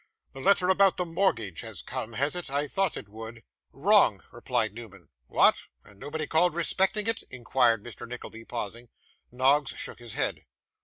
'The letter about the mortgage has come, has it? I thought it would.' 'Wrong,' replied Newman. 'What! and nobody called respecting it?' inquired Mr. Nickleby, pausing. Noggs shook his head.